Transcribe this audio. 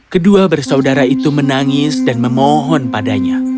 kedua bersaudara itu menangis dan memohon padanya